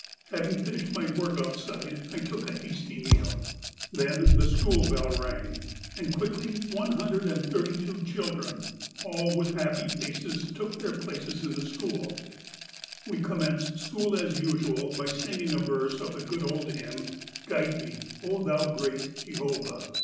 Having finished my work outside, I took a hasty meal. " Then, the school bell rang, and quickly one hundred and thirty two children, all with happy faces, took their places in school. ... We commenced school as usual by singing a verse of the good old hymn, ' Guide me, O Thou great Jehovah.'